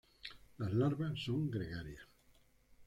Las larvas son gregarias.